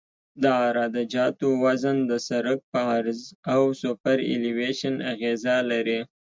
د عراده جاتو وزن د سرک په عرض او سوپرایلیویشن اغیزه لري